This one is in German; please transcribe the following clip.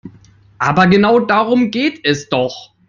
Aber genau darum geht es doch.